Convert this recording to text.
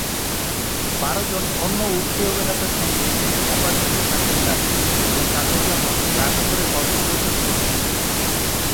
বারো জন অন্য উঠতি অভিনেতার সঙ্গে একটি অ্যাপার্টমেন্টে থাকতেন কার্তিক এবং তাঁদের জন্য রান্না করে অর্থ উপার্জন করতেন।